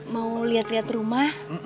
mau liat liat rumah